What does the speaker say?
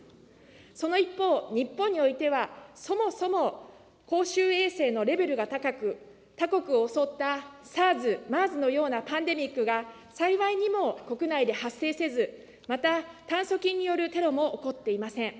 その一方、日本においては、そもそも公衆衛生のレベルが高く、他国を襲ったＳＡＲＳ、ＭＥＲＳのようなパンデミックが幸いにも、国内で発生せず、また、炭疽菌によるテロも起こっていません。